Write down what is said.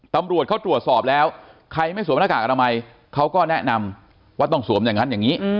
ตำรวจเขาตรวจสอบแล้วใครไม่สวมหน้ากากอนามัยเขาก็แนะนำว่าต้องสวมอย่างนั้นอย่างนี้